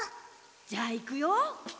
じゃあいくよ。